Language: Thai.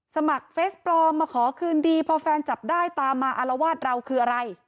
สมัครเฟสปลอมมาขอคืนดีพอแฟนจับได้ตามมาอารวาสเราคืออะไร